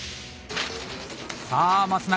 さあ松永